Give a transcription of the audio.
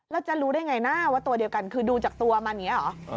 แล้วจะรู้ได้ไงนะว่าตัวเดียวกันคือดูจากตัวมันอย่างนี้เหรอ